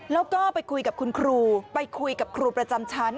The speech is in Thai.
แล้วก็ไปคุยกับคุณครูไปคุยกับครูประจำชั้น